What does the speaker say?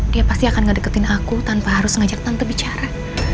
dia pasti akan ngedeketin aku tanpa harus ngajak tante bicara